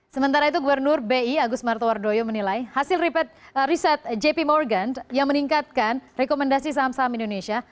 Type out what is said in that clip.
sementara itu gubernur bi agus martowardoyo menilai hasil riset jp morgan yang meningkatkan rekomendasi saham saham indonesia